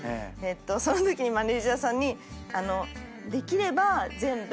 そのときにマネジャーさんにできれば。